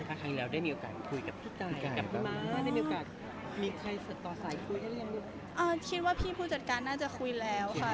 หนูไม่เคยคุยต์กับพี่เป็นการส่วนตัวอยู่แล้วค่ะ